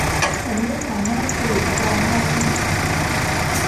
ฉันไม่สามารถกรีดร้องได้